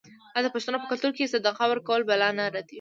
آیا د پښتنو په کلتور کې صدقه ورکول بلا نه ردوي؟